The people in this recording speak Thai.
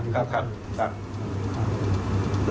ครับครับครับ